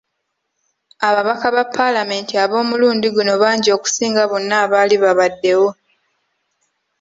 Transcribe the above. Ababaka ba paalamenti ab'omulundi guno bangi okusinga bonna abaali babaddewo.